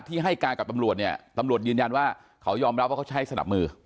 ให้การกับตำรวจเนี่ยตำรวจยืนยันว่าเขายอมรับว่าเขาใช้สนับมือ